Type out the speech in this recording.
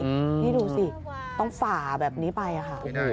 นี่ดูสิต้องฝ่าแบบนี้ไปค่ะ